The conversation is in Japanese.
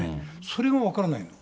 それも分からないの。